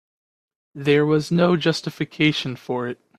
There was no justification for it.